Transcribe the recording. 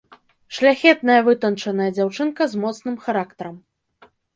Шляхетная вытанчаная дзяўчынка з моцным характарам.